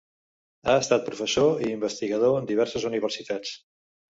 Ha estat professor i investigador en diverses universitats.